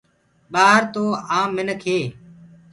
ٻآهر تو آم منک هي